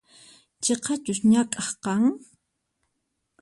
Chiqachus ñak'aq kan?